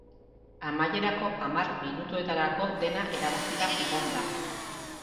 Amaierako hamar minutuetarako dena erabakita egon da.